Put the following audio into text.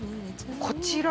こちら？